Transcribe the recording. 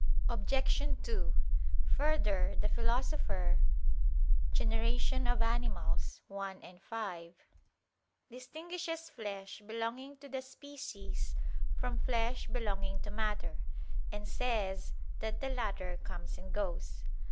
Obj. 2: Further, the Philosopher (De Gener. i, 5) distinguishes flesh belonging to the species from flesh belonging to "matter"; and says that the latter "comes and goes."